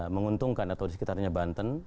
menguntungkan atau di sekitarnya banten